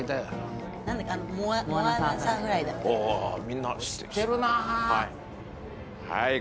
みんな知ってるなあはい